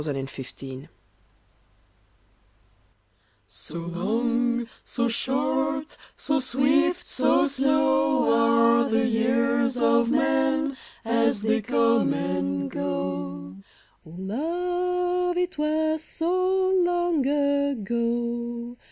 AN ANNIVERSARY So long, so short, So swift, so slow, Are the years of man As they co?ne and go / O LOVE, it was so long ago